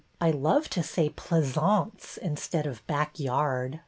I love to say pleasaunce instead of backyard.